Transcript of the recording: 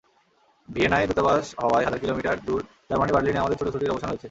ভিয়েনায় দূতাবাস হওয়ায় হাজার কিলোমিটার দূর জার্মানির বার্লিনে আমাদের ছোটাছুটির অবসান হয়েছে।